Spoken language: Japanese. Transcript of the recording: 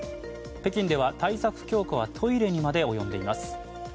北京では、対策強化はトイレにまで及んでいます。